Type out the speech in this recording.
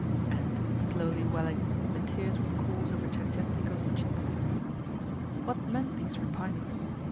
And, slowly welling, the tears would course over Tientietnikov's cheeks. What meant these repinings?